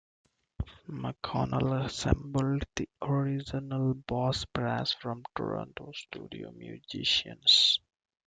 McConnell assembled the original Boss Brass from Toronto studio musicians.